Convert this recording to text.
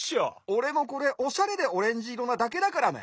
おれもこれおしゃれでオレンジいろなだけだからね。